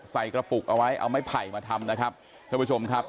ใส่กระปุกเอาไว้เอาไม้ไผ่มาทำนะครับท่านผู้ชมครับ